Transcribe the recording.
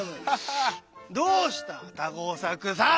どうした田吾作さん。